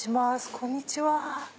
こんにちは。